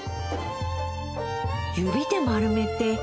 指で丸めて。